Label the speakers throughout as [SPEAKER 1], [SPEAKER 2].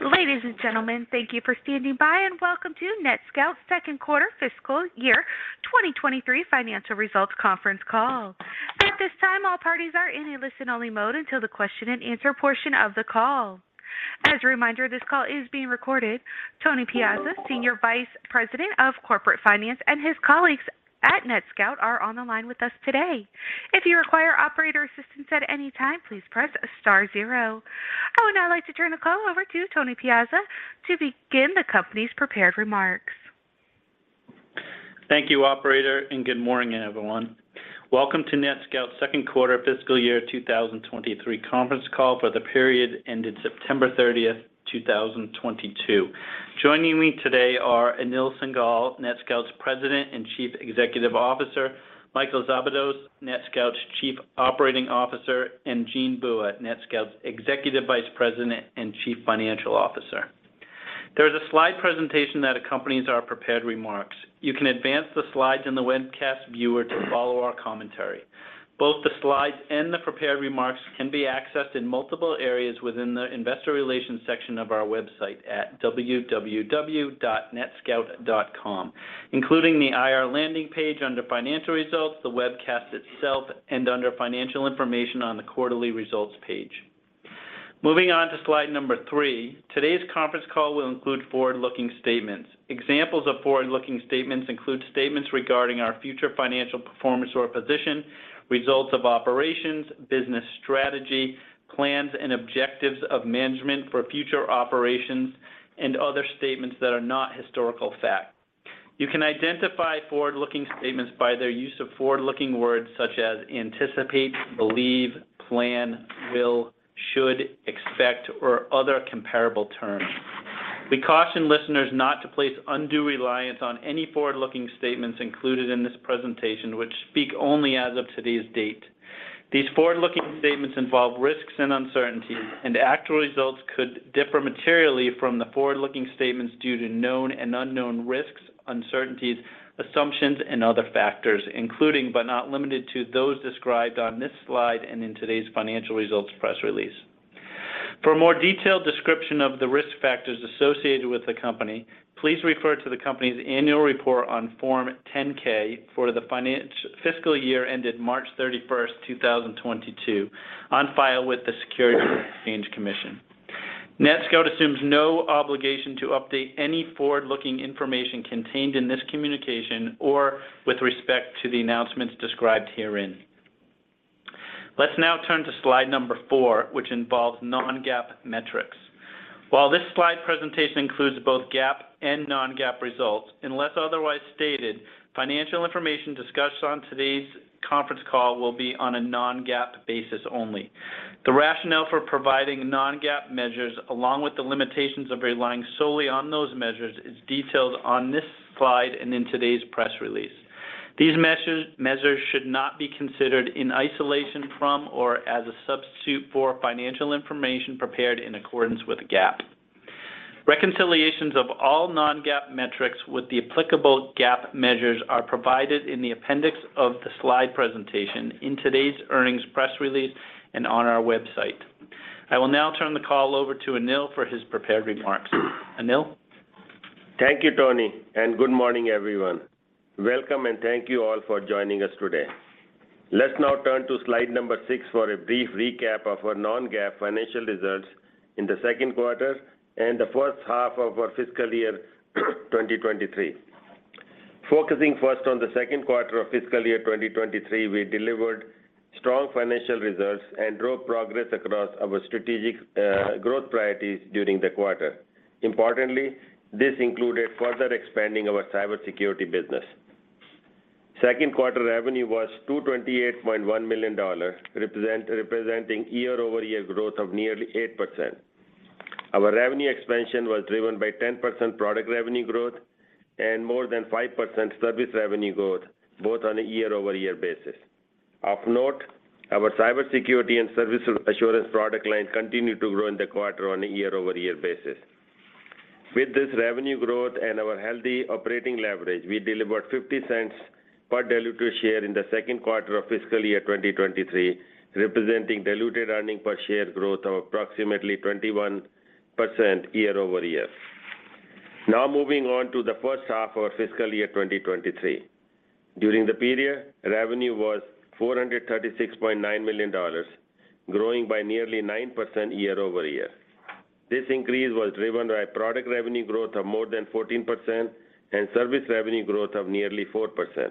[SPEAKER 1] Ladies and gentlemen, thank you for standing by, and welcome to NetScout's second quarter FY 2023 financial results conference call. At this time, all parties are in a listen-only mode until the question-and-answer portion of the call. As a reminder, this call is being recorded. Tony Piazza, Senior Vice President of Corporate Finance, and his colleagues at NetScout are on the line with us today. If you require operator assistance at any time, please press star zero. I would now like to turn the call over to Tony Piazza to begin the company's prepared remarks.
[SPEAKER 2] Thank you, operator, and good morning, everyone. Welcome to NetScout's second quarter FY 2023 conference call for the period ended September 30, 2022. Joining me today are Anil Singhal, NetScout's President and Chief Executive Officer, Michael Szabados, NetScout's Chief Operating Officer, and Jean Bua, NetScout's Executive Vice President and Chief Financial Officer. There's a slide presentation that accompanies our prepared remarks. You can advance the slides in the webcast viewer to follow our commentary. Both the slides and the prepared remarks can be accessed in multiple areas within the investor relations section of our website at www.netscout.com, including the IR landing page under Financial Results, the webcast itself, and under Financial Information on the Quarterly Results page. Moving on to slide number three, today's conference call will include forward-looking statements. Examples of forward-looking statements include statements regarding our future financial performance or position, results of operations, business strategy, plans and objectives of management for future operations, and other statements that are not historical fact. You can identify forward-looking statements by their use of forward-looking words such as "anticipate," "believe," "plan," "will," "should," "expect," or other comparable terms. We caution listeners not to place undue reliance on any forward-looking statements included in this presentation, which speak only as of today's date. These forward-looking statements involve risks and uncertainties, and actual results could differ materially from the forward-looking statements due to known and unknown risks, uncertainties, assumptions and other factors, including but not limited to those described on this slide and in today's financial results press release. For a more detailed description of the risk factors associated with the company, please refer to the company's annual report on Form 10-K for the fiscal year ended March 31, 2022, on file with the Securities and Exchange Commission. NetScout assumes no obligation to update any forward-looking information contained in this communication or with respect to the announcements described herein. Let's now turn to slide number four, which involves non-GAAP metrics. While this slide presentation includes both GAAP and non-GAAP results, unless otherwise stated, financial information discussed on today's conference call will be on a non-GAAP basis only. The rationale for providing non-GAAP measures, along with the limitations of relying solely on those measures, is detailed on this slide and in today's press release. These measures should not be considered in isolation from or as a substitute for financial information prepared in accordance with GAAP. Reconciliations of all non-GAAP metrics with the applicable GAAP measures are provided in the appendix of the slide presentation in today's earnings press release and on our website. I will now turn the call over to Anil for his prepared remarks. Anil.
[SPEAKER 3] Thank you, Tony, and good morning, everyone. Welcome and thank you all for joining us today. Let's now turn to slide number six for a brief recap of our non-GAAP financial results in the second quarter and the H1 of our FY 2023. Focusing first on the second quarter of FY 2023, we delivered strong financial results and drove progress across our strategic growth priorities during the quarter. Importantly, this included further expanding our cybersecurity business. Second quarter revenue was $228.1 million, representing year-over-year growth of nearly 8%. Our revenue expansion was driven by 10% product revenue growth and more than 5% service revenue growth, both on a year-over-year basis. Of note, our cybersecurity and service assurance product line continued to grow in the quarter on a year-over-year basis. With this revenue growth and our healthy operating leverage, we delivered $0.50 per diluted share in the second quarter of FY 2023, representing diluted earnings per share growth of approximately 21% year over year. Now moving on to the H1 of FY 2023. During the period, revenue was $436.9 million, growing by nearly 9% year over year. This increase was driven by product revenue growth of more than 14% and service revenue growth of nearly 4%.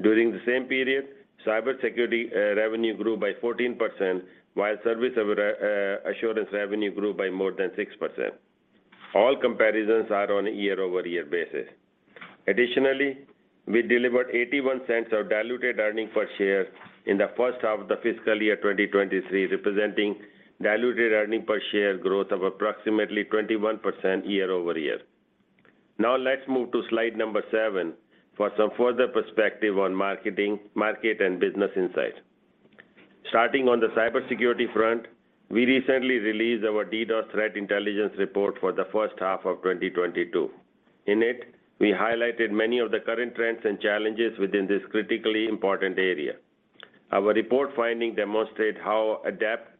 [SPEAKER 3] During the same period, cybersecurity revenue grew by 14%, while service assurance revenue grew by more than 6%. All comparisons are on a year-over-year basis. Additionally, we delivered $0.81 of diluted earnings per share in the H1 of the FY 2023, representing diluted earnings per share growth of approximately 21% year-over-year. Now let's move to slide seven for some further perspective on market and business insight. Starting on the cybersecurity front, we recently released our DDoS Threat Intelligence Report for the H1 of 2022. In it, we highlighted many of the current trends and challenges within this critically important area. Our report findings demonstrate how adept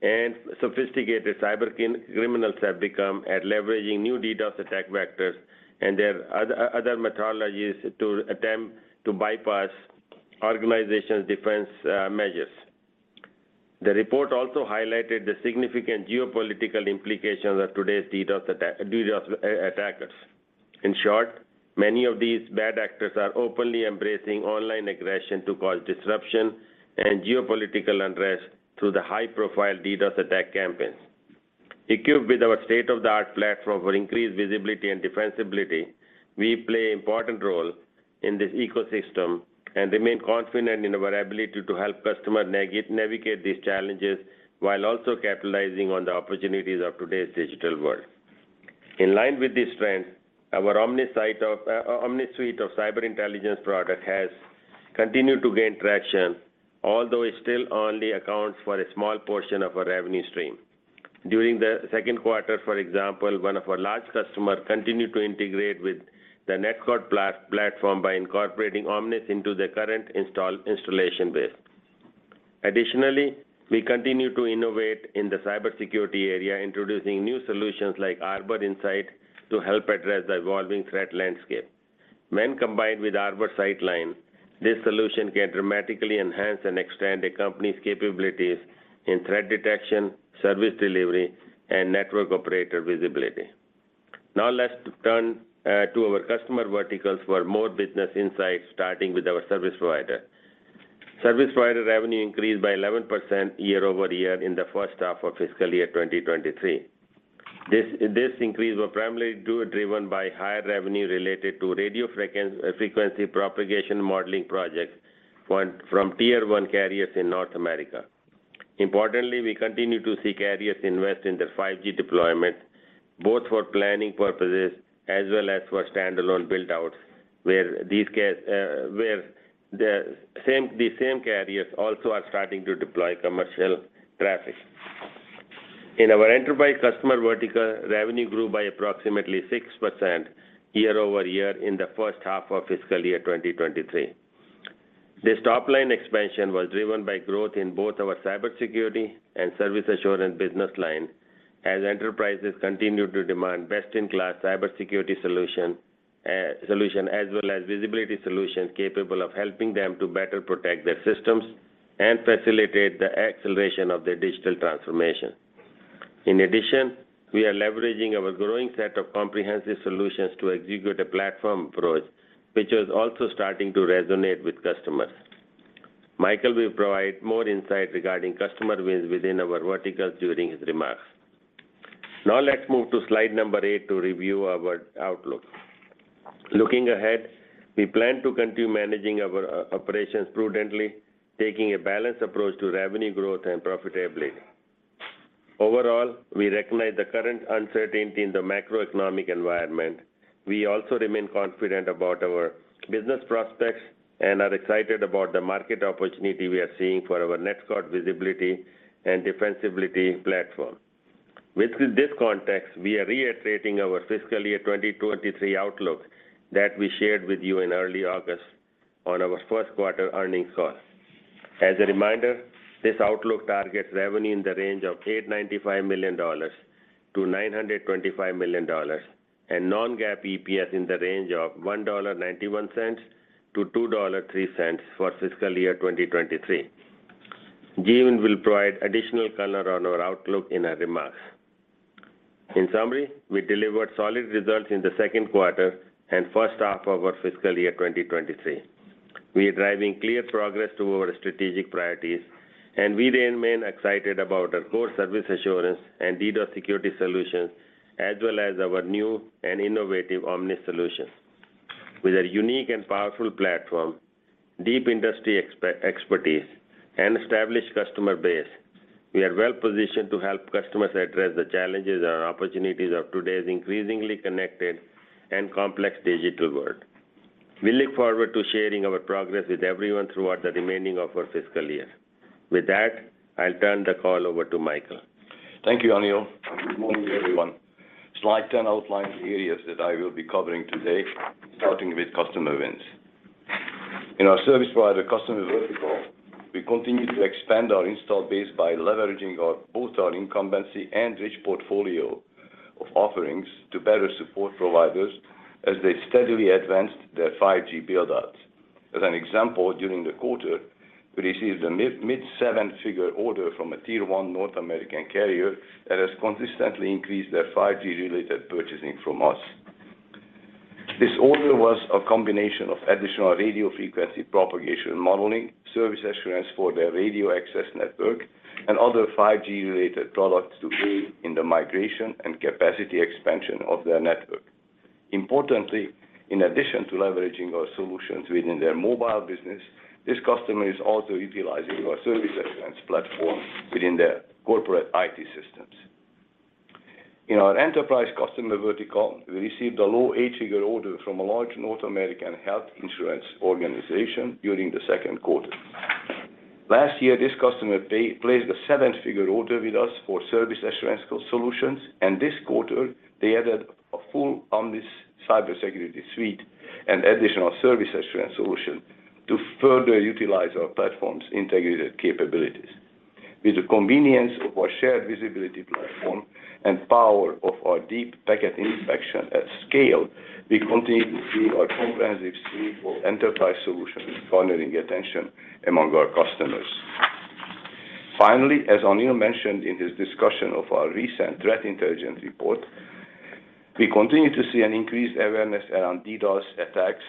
[SPEAKER 3] and sophisticated cyber criminals have become at leveraging new DDoS attack vectors and their other methodologies to attempt to bypass organizations' defense measures. The report also highlighted the significant geopolitical implications of today's DDoS attack, DDoS attackers. In short, many of these bad actors are openly embracing online aggression to cause disruption and geopolitical unrest through the high-profile DDoS attack campaigns. Equipped with our state-of-the-art platform for increased visibility and defensibility, we play an important role in this ecosystem and remain confident in our ability to help customers navigate these challenges, while also capitalizing on the opportunities of today's digital world. In line with this trend, our Omnis suite of cyber intelligence product has continued to gain traction, although it still only accounts for a small portion of our revenue stream. During the second quarter, for example, one of our large customer continued to integrate with the NetScout platform by incorporating Omnis into their current installation base. Additionally, we continue to innovate in the cybersecurity area, introducing new solutions like Arbor Insight to help address the evolving threat landscape. When combined with Arbor Sightline, this solution can dramatically enhance and extend a company's capabilities in threat detection, service delivery, and network operator visibility. Now let's turn to our customer verticals for more business insights, starting with our service provider. Service provider revenue increased by 11% year-over-year in the H1 of FY 2023. This increase was primarily driven by higher revenue related to radio frequency propagation modeling projects from tier one carriers in North America. Importantly, we continue to see carriers invest in their 5G deployment, both for planning purposes as well as for standalone build-outs, where the same carriers also are starting to deploy commercial traffic. In our enterprise customer vertical, revenue grew by approximately 6% year-over-year in the H1 of FY 2023. This top-line expansion was driven by growth in both our cybersecurity and service assurance business line as enterprises continue to demand best-in-class cybersecurity solution as well as visibility solutions capable of helping them to better protect their systems and facilitate the acceleration of their digital transformation. In addition, we are leveraging our growing set of comprehensive solutions to execute a platform approach, which is also starting to resonate with customers. Michael will provide more insight regarding customer wins within our verticals during his remarks. Now let's move to slide number eight to review our outlook. Looking ahead, we plan to continue managing our operations prudently, taking a balanced approach to revenue growth and profitability. Overall, we recognize the current uncertainty in the macroeconomic environment. We also remain confident about our business prospects and are excited about the market opportunity we are seeing for our NetScout visibility and defensibility platform. Within this context, we are reiterating our FY 2023 outlook that we shared with you in early August on our first quarter earnings call. As a reminder, this outlook targets revenue in the range of $895 million to $925 million, and non-GAAP EPS in the range of $1.91 to $2.03 for FY 2023. Jim will provide additional color on our outlook in our remarks. In summary, we delivered solid results in the second quarter and H1 of our FY 2023. We are driving clear progress to our strategic priorities, and remain excited about our core service assurance and DDoS security solutions, as well as our new and innovative Omnis solution. With a unique and powerful platform, deep industry expertise, and established customer base, we are well-positioned to help customers address the challenges and opportunities of today's increasingly connected and complex digital world. We look forward to sharing our progress with everyone throughout the remainder of our fiscal year. With that, I'll turn the call over to Michael.
[SPEAKER 4] Thank you, Anil. Good morning, everyone. Slide 10 outlines the areas that I will be covering today, starting with customer wins. In our service provider customer vertical, we continue to expand our install base by leveraging both our incumbency and rich portfolio of offerings to better support providers as they steadily advance their 5G build-outs. As an example, during the quarter, we received a mid-seven-figure order from a tier one North American carrier that has consistently increased their 5G-related purchasing from us. This order was a combination of additional radio frequency propagation modeling, service assurance for their radio access network, and other 5G-related products to aid in the migration and capacity expansion of their network. Importantly, in addition to leveraging our solutions within their mobile business, this customer is also utilizing our service assurance platform within their corporate IT systems. In our enterprise customer vertical, we received a low eight-figure order from a large North American health insurance organization during the second quarter. Last year, this customer placed a seven-figure order with us for service assurance solutions, and this quarter they added to this cybersecurity suite and additional service assurance solution to further utilize our platform's integrated capabilities. With the convenience of our shared visibility platform and power of our deep packet inspection at scale, we continue to see our comprehensive suite for enterprise solutions garnering attention among our customers. Finally, as Anil Singhal mentioned in his discussion of our recent threat intelligence report, we continue to see an increased awareness around DDoS attacks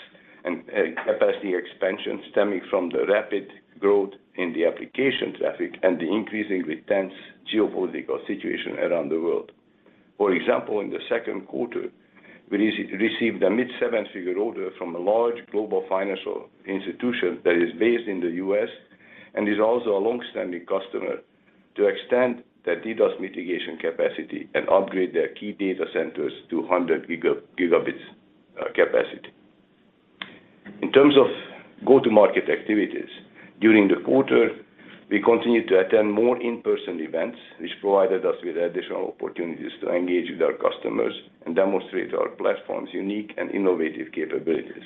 [SPEAKER 4] and capacity expansion stemming from the rapid growth in the application traffic and the increasingly tense geopolitical situation around the world. For example, in the second quarter, we received a mid-seven-figure order from a large global financial institution that is based in the U.S. and is also a long-standing customer to extend their DDoS mitigation capacity and upgrade their key data centers to 100 Gb capacity. In terms of go-to-market activities, during the quarter, we continued to attend more in-person events, which provided us with additional opportunities to engage with our customers and demonstrate our platform's unique and innovative capabilities.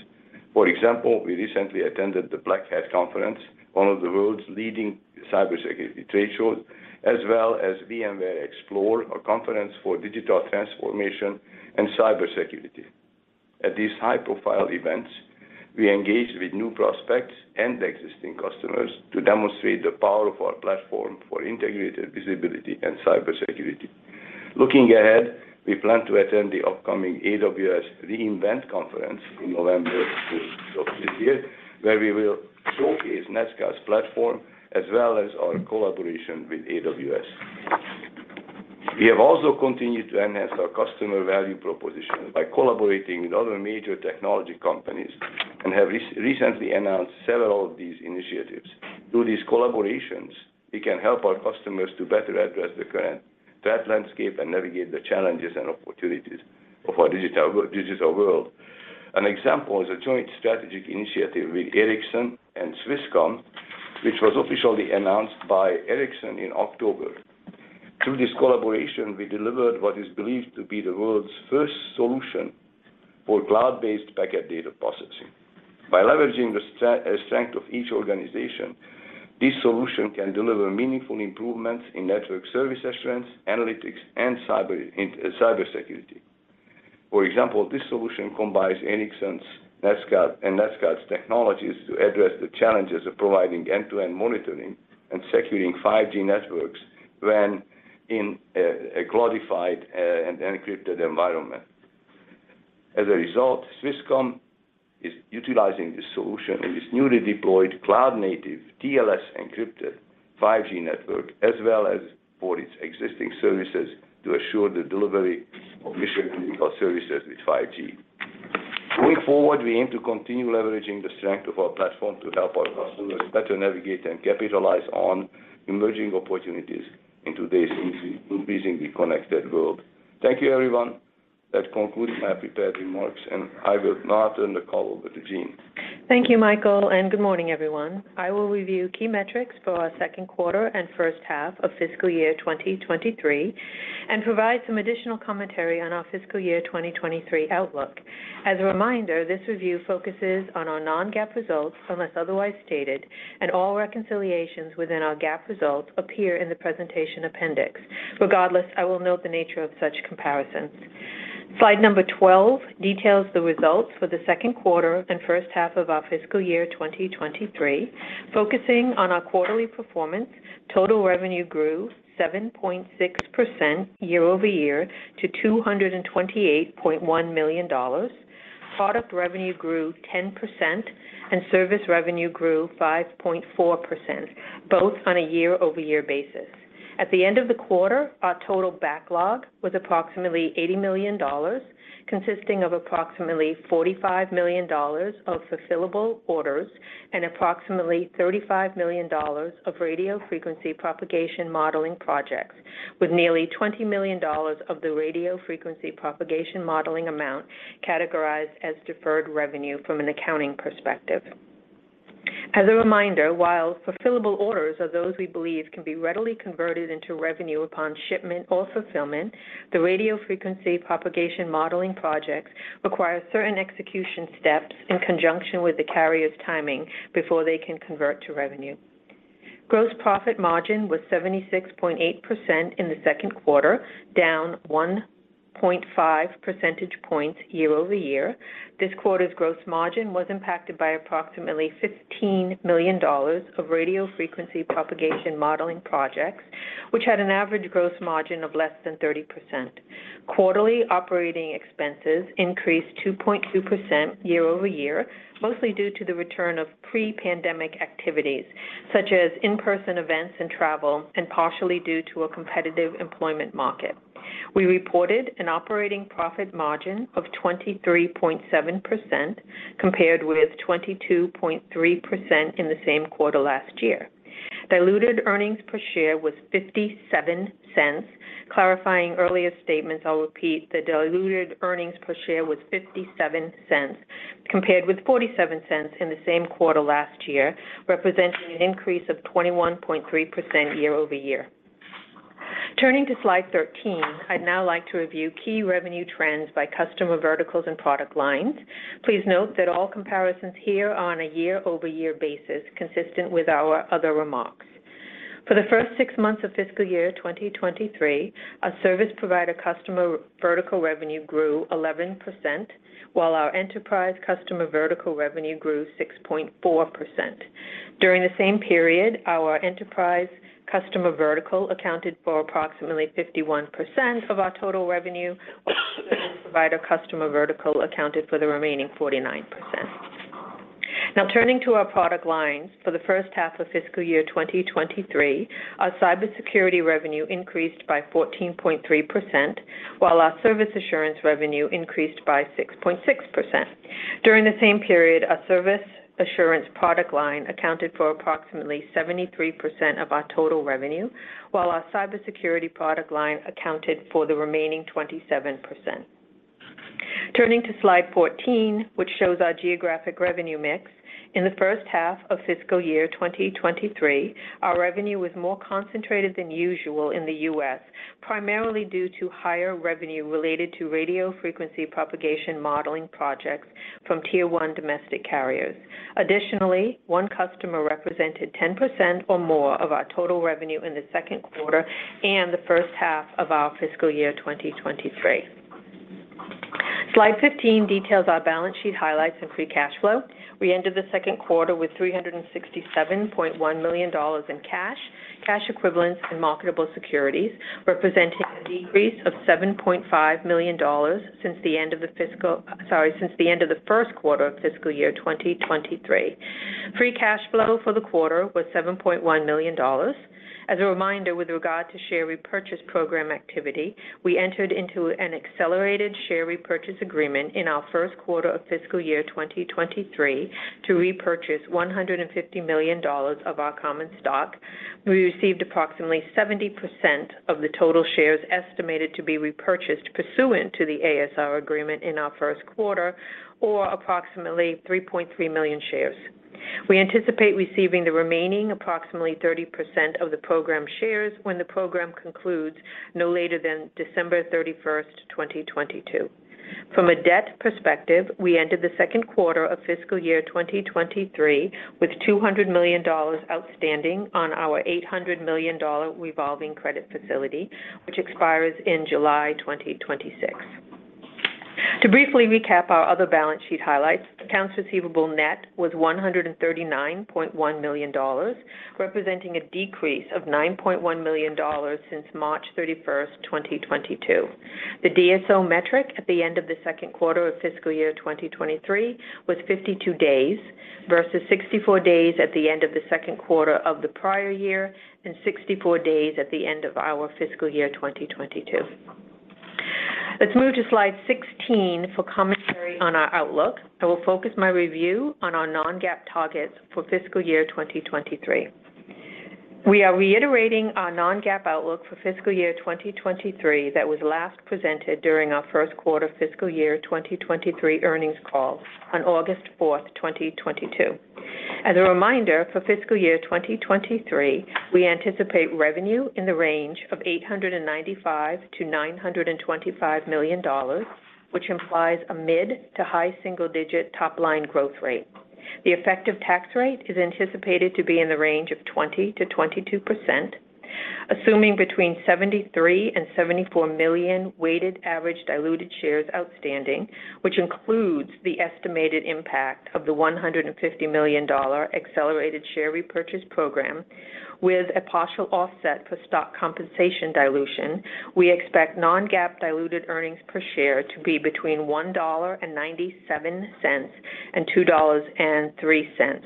[SPEAKER 4] For example, we recently attended the Black Hat Conference, one of the world's leading cybersecurity trade shows, as well as VMware Explore, a conference for digital transformation and cybersecurity. At these high-profile events, we engaged with new prospects and existing customers to demonstrate the power of our platform for integrated visibility and cybersecurity. Looking ahead, we plan to attend the upcoming AWS re:Invent Conference in November of this year, where we will showcase NetScout's platform, as well as our collaboration with AWS. We have also continued to enhance our customer value proposition by collaborating with other major technology companies and have recently announced several of these initiatives. Through these collaborations, we can help our customers to better address the current threat landscape and navigate the challenges and opportunities of our digital world. An example is a joint strategic initiative with Ericsson and Swisscom, which was officially announced by Ericsson in October. Through this collaboration, we delivered what is believed to be the world's first solution for cloud-based packet data processing. By leveraging the strength of each organization, this solution can deliver meaningful improvements in network service assurance, analytics, and cybersecurity. For example, this solution combines Ericsson's NetScout and NetScout's technologies to address the challenges of providing end-to-end monitoring and securing 5G networks when in a cloudified and encrypted environment. As a result, Swisscom is utilizing this solution in its newly deployed cloud-native TLS encrypted 5G network, as well as for its existing services to assure the delivery of mission-critical services with 5G. Going forward, we aim to continue leveraging the strength of our platform to help our customers better navigate and capitalize on emerging opportunities in today's increasingly connected world. Thank you, everyone. That concludes my prepared remarks, and I will now turn the call over to Jean.
[SPEAKER 5] Thank you, Michael, and good morning, everyone. I will review key metrics for our second quarter and H1 of FY 2023 and provide some additional commentary on our FY 2023 outlook. As a reminder, this review focuses on our non-GAAP results unless otherwise stated, and all reconciliations within our GAAP results appear in the presentation appendix. Regardless, I will note the nature of such comparisons. Slide number 12 details the results for the second quarter and H1 of our FY 2023. Focusing on our quarterly performance, total revenue grew 7.6% year-over-year to $228.1 million. Product revenue grew 10%, and service revenue grew 5.4%, both on a year-over-year basis. At the end of the quarter, our total backlog was approximately $80 million, consisting of approximately $45 million of fulfillable orders and approximately $35 million of radio frequency propagation modeling projects, with nearly $20 million of the radio frequency propagation modeling amount categorized as deferred revenue from an accounting perspective. As a reminder, while fulfillable orders are those we believe can be readily converted into revenue upon shipment or fulfillment, the radio frequency propagation modeling projects require certain execution steps in conjunction with the carrier's timing before they can convert to revenue. Gross profit margin was 76.8% in the second quarter, down 1.5 percentage points year-over-year. This quarter's gross margin was impacted by approximately $15 million of radio frequency propagation modeling projects, which had an average gross margin of less than 30%. Quarterly operating expenses increased 2.2% year-over-year, mostly due to the return of pre-pandemic activities, such as in-person events and travel, and partially due to a competitive employment market. We reported an operating profit margin of 23.7%, compared with 22.3% in the same quarter last year. Diluted earnings per share was $0.57. Clarifying earlier statements, I'll repeat that diluted earnings per share was $0.57, compared with $0.47 in the same quarter last year, representing an increase of 21.3% year-over-year. Turning to slide 13, I'd now like to review key revenue trends by customer verticals and product lines. Please note that all comparisons here are on a year-over-year basis, consistent with our other remarks. For the first six months of FY 2023, our service provider customer vertical revenue grew 11%, while our enterprise customer vertical revenue grew 6.4%. During the same period, our enterprise customer vertical accounted for approximately 51% of our total revenue, while our service provider customer vertical accounted for the remaining 49%. Now turning to our product lines. For the H1 of FY 2023, our cybersecurity revenue increased by 14.3%, while our service assurance revenue increased by 6.6%. During the same period, our service assurance product line accounted for approximately 73% of our total revenue, while our cybersecurity product line accounted for the remaining 27%. Turning to slide 14, which shows our geographic revenue mix. In the H1 of FY 2023, our revenue was more concentrated than usual in the U.S., primarily due to higher revenue related to radio frequency propagation modeling projects from tier one domestic carriers. Additionally, one customer represented 10% or more of our total revenue in the second quarter and the H1 of our FY 2023. Slide 15 details our balance sheet highlights and free cash flow. We ended the second quarter with $367.1 million in cash equivalents, and marketable securities, representing a decrease of $7.5 million since the end of the first quarter of FY 2023. Free cash flow for the quarter was $7.1 million. As a reminder, with regard to share repurchase program activity, we entered into an accelerated share repurchase agreement in our first quarter of FY 2023 to repurchase $150 million of our common stock. We received approximately 70% of the total shares estimated to be repurchased pursuant to the ASR agreement in our first quarter or approximately 3.3 million shares. We anticipate receiving the remaining approximately 30% of the program shares when the program concludes no later than December 31, 2022. From a debt perspective, we ended the second quarter of FY 2023 with $200 million outstanding on our $800 million revolving credit facility, which expires in July 2026. To briefly recap our other balance sheet highlights, accounts receivable net was $139.1 million, representing a decrease of $9.1 million since March 31, 2022. The DSO metric at the end of the second quarter of FY 2023 was 52 days versus 64 days at the end of the second quarter of the prior year and 64 days at the end of our fiscal year 2022. Let's move to slide 16 for commentary on our outlook. I will focus my review on our non-GAAP targets for FY 2023. We are reiterating our non-GAAP outlook for FY 2023 that was last presented during our first quarter FY 2023 earnings call on August 4, 2022. As a reminder, for FY 2023, we anticipate revenue in the range of $895 million to $925 million, which implies a mid to high single-digit top-line growth rate. The effective tax rate is anticipated to be in the range of 20% to 22%. Assuming between 73 million and 74 million weighted average diluted shares outstanding, which includes the estimated impact of the $150 million accelerated share repurchase program with a partial offset for stock compensation dilution, we expect non-GAAP diluted earnings per share to be between $1.97 and $2.03.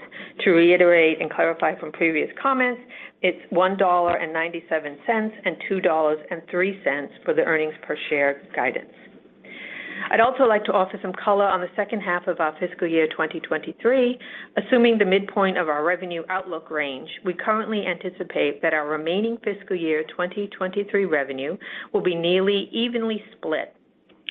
[SPEAKER 5] To reiterate and clarify from previous comments, it's $1.97 and $2.03 for the earnings per share guidance. I'd also like to offer some color on the H2 of our FY 2023. Assuming the midpoint of our revenue outlook range, we currently anticipate that our remaining FY 2023 revenue will be nearly evenly split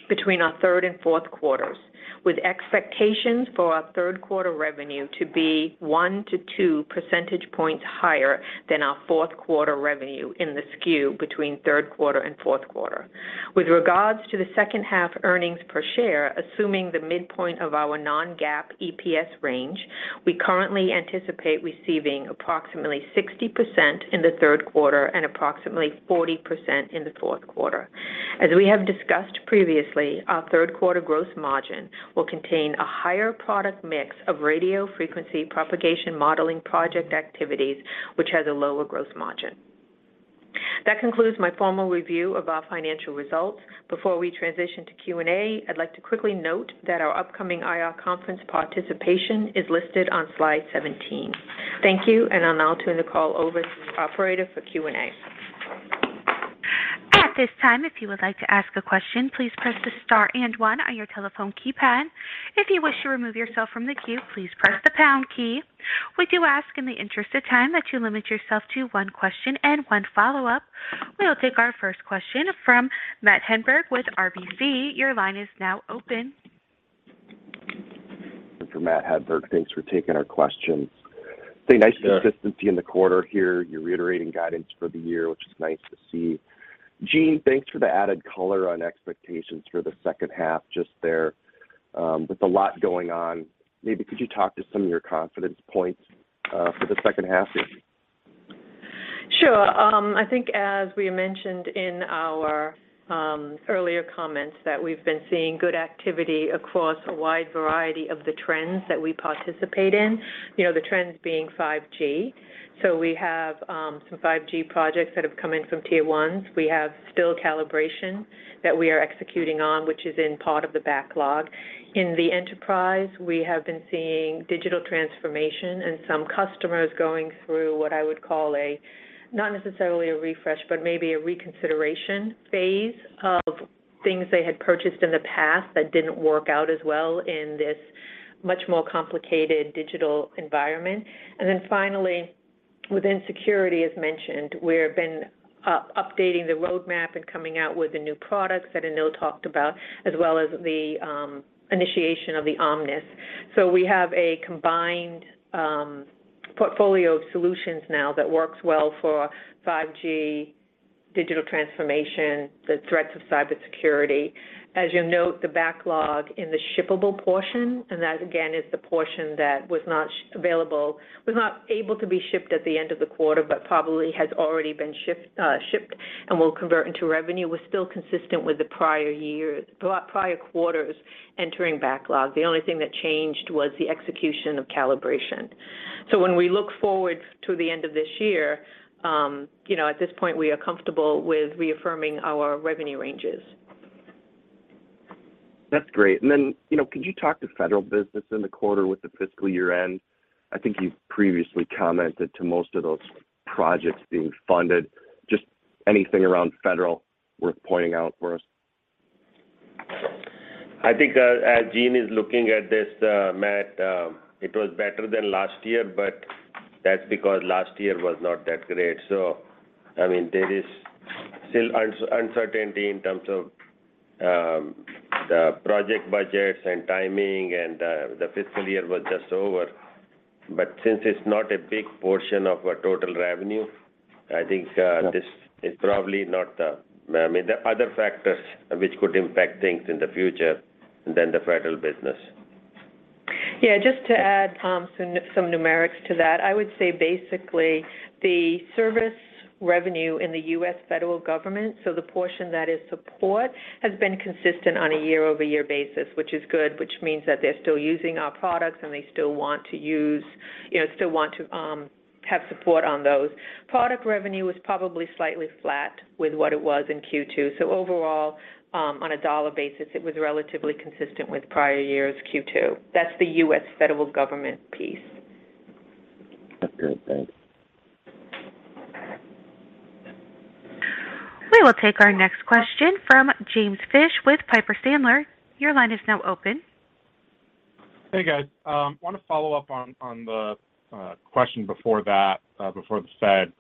[SPEAKER 5] between our third and fourth quarters, with expectations for our third quarter revenue to be 1 to 2 percentage points higher than our fourth quarter revenue in the skew between third quarter and fourth quarter. With regards to the H2 earnings per share, assuming the midpoint of our non-GAAP EPS range, we currently anticipate receiving approximately 60% in the third quarter and approximately 40% in the fourth quarter. As we have discussed previously, our third quarter gross margin will contain a higher product mix of radio frequency propagation modeling project activities, which has a lower gross margin. That concludes my formal review of our financial results. Before we transition to Q&A, I'd like to quickly note that our upcoming IR conference participation is listed on slide 17. Thank you, and I'll now turn the call over to the operator for Q&A.
[SPEAKER 1] At this time, if you would like to ask a question, please press the star and one on your telephone keypad. If you wish to remove yourself from the queue, please press the pound key. We do ask in the interest of time that you limit yourself to one question and one follow-up. We will take our first question from Matt Hedberg with RBC. Your line is now open.
[SPEAKER 6] For Matt Hedberg, thanks for taking our questions.
[SPEAKER 3] Sure.
[SPEAKER 6] See nice consistency in the quarter here. You're reiterating guidance for the year, which is nice to see. Jean, thanks for the added color on expectations for the H2 just there. With a lot going on, maybe could you talk to some of your confidence points, for the H2 here?
[SPEAKER 5] Sure. I think as we mentioned in our earlier comments that we've been seeing good activity across a wide variety of the trends that we participate in, you know, the trends being 5G. We have some 5G projects that have come in from tier ones. We have still calibration that we are executing on, which is part of the backlog. In the enterprise, we have been seeing digital transformation and some customers going through what I would call a, not necessarily a refresh, but maybe a reconsideration phase of things they had purchased in the past that didn't work out as well in this much more complicated digital environment. Finally, within security, as mentioned, we've been updating the roadmap and coming out with the new products that Anil talked about, as well as the initiation of the Omnis. We have a combined portfolio of solutions now that works well for 5G digital transformation, the threats of cybersecurity. As you'll note, the backlog in the shippable portion, and that, again, is the portion that was not available, was not able to be shipped at the end of the quarter, but probably has already been shipped and will convert into revenue, was still consistent with the prior quarters entering backlog. The only thing that changed was the execution of calibration. When we look forward to the end of this year, you know, at this point, we are comfortable with reaffirming our revenue ranges.
[SPEAKER 6] That's great. You know, could you talk to federal business in the quarter with the fiscal year-end? I think you've previously commented to most of those projects being funded. Just anything around federal worth pointing out for us?
[SPEAKER 3] I think, as Jean is looking at this, Matt, it was better than last year, but that's because last year was not that great. I mean, there is still uncertainty in terms of the project budgets and timing, and the fiscal year was just over. Since it's not a big portion of our total revenue, I think this is probably not, I mean, there are other factors which could impact things in the future other than the federal business.
[SPEAKER 5] Just to add some numerics to that. I would say basically the service revenue in the U.S. federal government, so the portion that is support, has been consistent on a year-over-year basis, which is good, which means that they're still using our products and they still want to use, you know, have support on those. Product revenue was probably slightly flat with what it was in Q2. Overall, on a dollar basis, it was relatively consistent with prior years' Q2. That's the U.S. federal government piece.
[SPEAKER 6] That's great. Thanks.
[SPEAKER 1] We will take our next question from James Fish with Piper Sandler. Your line is now open.
[SPEAKER 7] Hey, guys. Want to follow up on the question before that, before the Fed.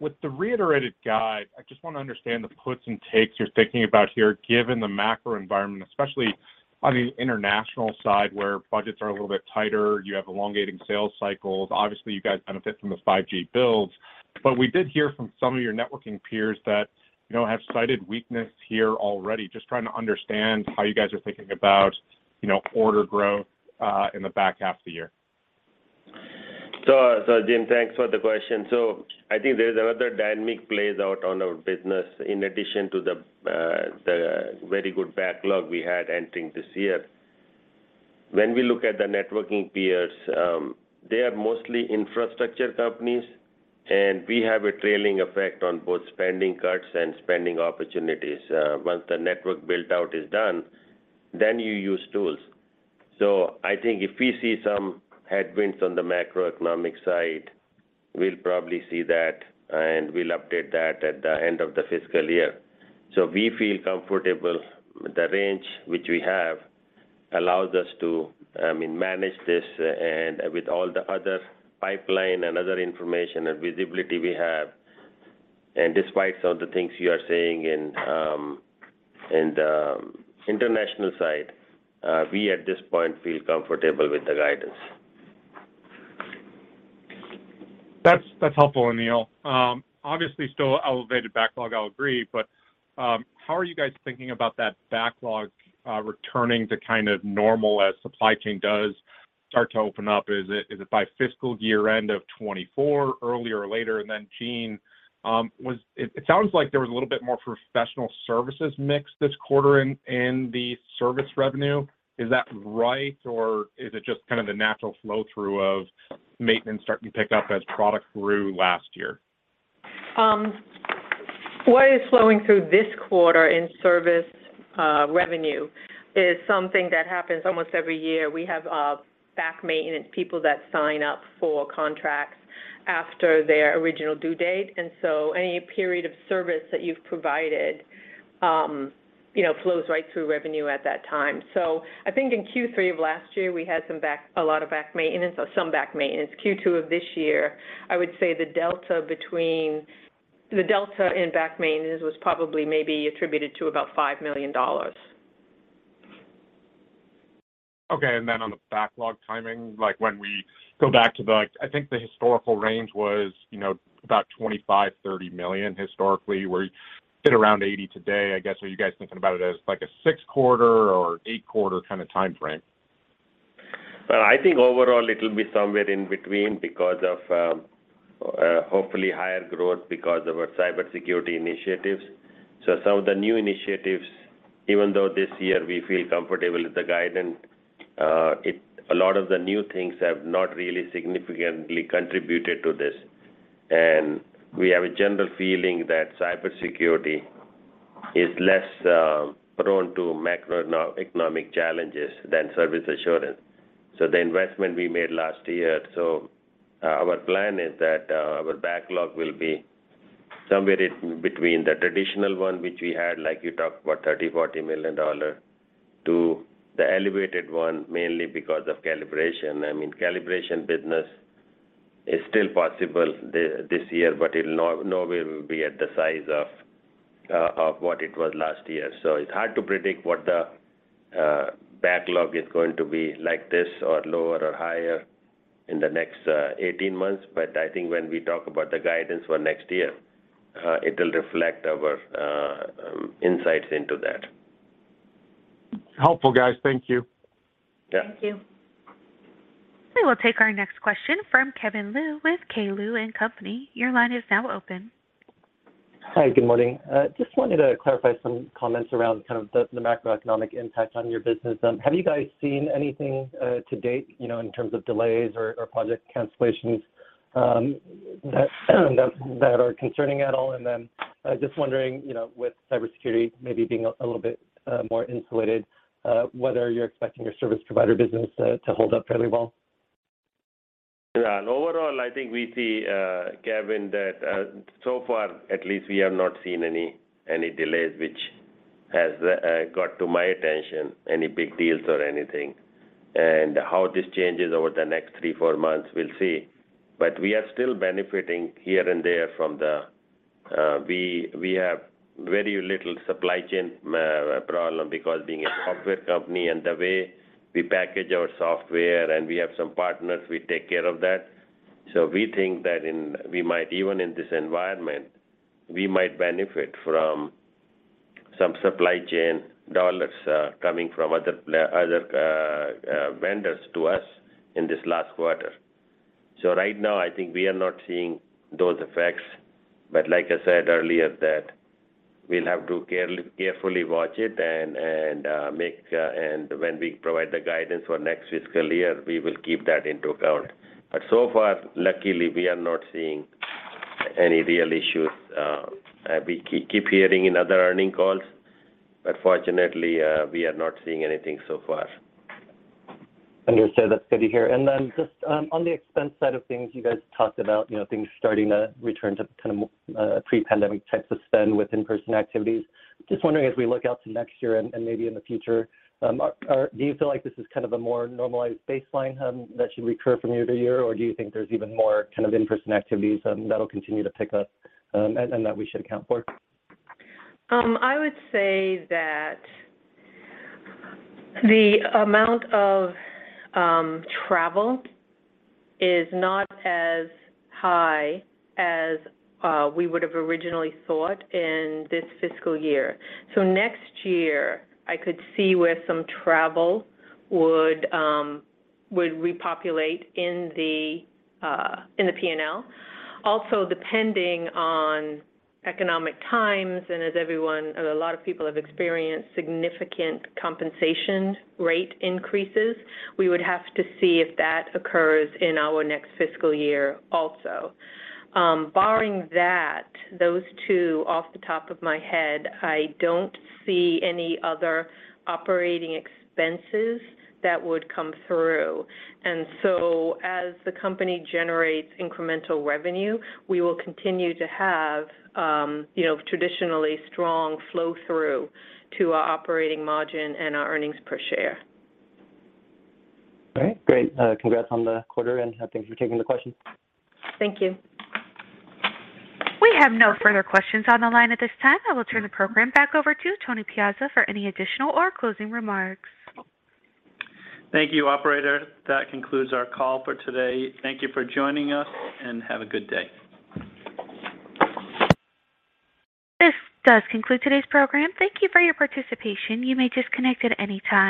[SPEAKER 7] With the reiterated guide, I just want to understand the puts and takes you're thinking about here, given the macro environment, especially on the international side, where budgets are a little bit tighter, you have elongating sales cycles. Obviously, you guys benefit from the 5G builds. We did hear from some of your networking peers that, you know, have cited weakness here already. Just trying to understand how you guys are thinking about, you know, order growth in the back half of the year.
[SPEAKER 3] James, thanks for the question. I think there's another dynamic plays out on our business in addition to the very good backlog we had entering this year. When we look at the networking peers, they are mostly infrastructure companies, and we have a trailing effect on both spending cuts and spending opportunities. Once the network build-out is done, then you use tools. I think if we see some headwinds on the macroeconomic side, we'll probably see that, and we'll update that at the end of the fiscal year. We feel comfortable the range which we have allows us to, I mean, manage this, and with all the other pipeline and other information and visibility we have. Despite of the things you are saying in the international side, we at this point feel comfortable with the guidance.
[SPEAKER 7] That's helpful, Anil. Obviously still elevated backlog, I'll agree. How are you guys thinking about that backlog returning to kind of normal as supply chain does start to open up? Is it by fiscal year end of 2024, earlier or later? Then, Jean, it sounds like there was a little bit more professional services mix this quarter in the service revenue. Is that right, or is it just kind of the natural flow-through of maintenance starting to pick up as product grew last year?
[SPEAKER 5] What is flowing through this quarter in service revenue is something that happens almost every year. We have back maintenance, people that sign up for contracts after their original due date. Any period of service that you've provided, you know, flows right through revenue at that time. I think in Q3 of last year, we had some back maintenance. Q2 of this year, I would say the delta in back maintenance was probably maybe attributed to about $5 million.
[SPEAKER 7] Okay. On the backlog timing, like when we go back to the, I think the historical range was, you know, about $25 to $30 million historically. We're at around $80 million today. I guess, are you guys thinking about it as like a six quarter or eight quarter kind of time frame?
[SPEAKER 3] Well, I think overall it will be somewhere in between because of hopefully higher growth because of our cybersecurity initiatives. Some of the new initiatives, even though this year we feel comfortable with the guidance, a lot of the new things have not really significantly contributed to this. We have a general feeling that cybersecurity is less prone to macroeconomic challenges than service assurance. The investment we made last year, our plan is that our backlog will be somewhere between the traditional one which we had, like you talked about $30 to $40 million, to the elevated one, mainly because of calibration. I mean, calibration business is still possible this year, but it'll no way be at the size of what it was last year. It's hard to predict what the backlog is going to be like this or lower or higher in the next 18 months. I think when we talk about the guidance for next year, it'll reflect our insights into that.
[SPEAKER 7] Helpful, guys. Thank you.
[SPEAKER 3] Yeah.
[SPEAKER 5] Thank you.
[SPEAKER 1] We will take our next question from Kevin Liu with K. Liu & Company. Your line is now open.
[SPEAKER 8] Hi, good morning. Just wanted to clarify some comments around the macroeconomic impact on your business. Have you guys seen anything to date in terms of delays or project cancellations that are concerning at all? Then just wondering with cybersecurity maybe being a little bit more insulated whether you're expecting your service provider business to hold up fairly well?
[SPEAKER 3] Yeah. Overall, I think we see, Kevin, that so far at least, we have not seen any delays which has come to my attention, any big deals or anything. How this changes over the next three or four months, we'll see. We are still benefiting here and there from the fact that we have very little supply chain problem because being a software company and the way we package our software and we have some partners, we take care of that. We think that we might even in this environment, we might benefit from some supply chain dollars coming from other vendors to us in this last quarter. Right now I think we are not seeing those effects, but like I said earlier, that we'll have to carefully watch it and when we provide the guidance for next fiscal year, we will take that into account. So far, luckily, we are not seeing any real issues. We keep hearing in other earnings calls. Fortunately, we are not seeing anything so far.
[SPEAKER 8] Understood. That's good to hear. Then just on the expense side of things, you guys talked about, you know, things starting to return to kind of pre-pandemic types of spend with in-person activities. Just wondering as we look out to next year and maybe in the future, do you feel like this is kind of a more normalized baseline that should recur from year to year? Or do you think there's even more kind of in-person activities that'll continue to pick up and that we should account for?
[SPEAKER 5] I would say that the amount of travel is not as high as we would've originally thought in this fiscal year. Next year I could see where some travel would repopulate in the P&L. Also, depending on economic times and as everyone or a lot of people have experienced significant compensation rate increases, we would have to see if that occurs in our next fiscal year also. Barring that, those two off the top of my head, I don't see any other operating expenses that would come through. As the company generates incremental revenue, we will continue to have, you know, traditionally strong flow through to our operating margin and our earnings per share.
[SPEAKER 8] All right, great. Congrats on the quarter, and thank you for taking the questions.
[SPEAKER 5] Thank you.
[SPEAKER 1] We have no further questions on the line at this time. I will turn the program back over to Tony Piazza for any additional or closing remarks.
[SPEAKER 2] Thank you, operator. That concludes our call for today. Thank you for joining us, and have a good day.
[SPEAKER 1] This does conclude today's program. Thank you for your participation. You may disconnect at any time.